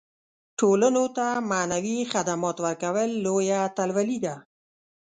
ټولنو ته معنوي خدمات ورکول لویه اتلولي ده.